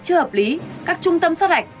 chưa hợp lý các trung tâm sát hạch